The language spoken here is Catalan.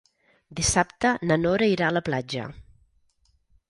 Dissabte na Nora irà a la platja.